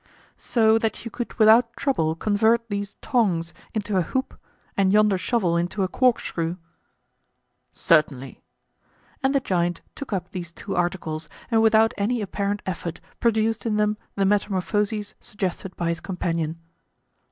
"So that you could without trouble convert these tongs into a hoop and yonder shovel into a corkscrew?" "Certainly." And the giant took up these two articles, and without any apparent effort produced in them the metamorphoses suggested by his companion.